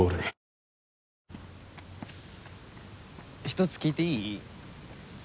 一つ聞いていい？